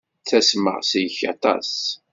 Ttasmeɣ seg-k aṭas.